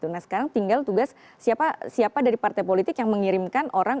nah sekarang tinggal tugas siapa dari partai politik yang mengirimkan orang